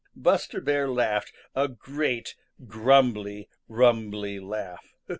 ] Buster Bear laughed a great, grumbly rumbly laugh.